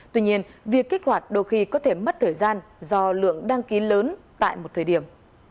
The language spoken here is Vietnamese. tuy nhiên việc kích hoạt đôi khi có thể mất thời gian do lượng đăng ký lớn tại một thời điểm